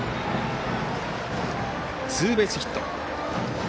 ツーベースヒット。